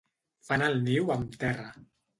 Fan el niu amb terra.